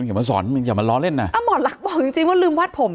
หมอลักบอกจริงว่าลืมวาดผม